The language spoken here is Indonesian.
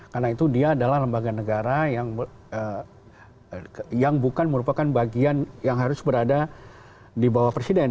karena itu dia adalah lembaga negara yang bukan merupakan bagian yang harus berada di bawah presiden